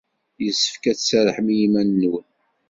Yessefk ad tserrḥem i yiman-nwen.